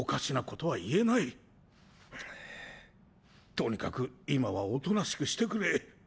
とにかく今はおとなしくしてくれ。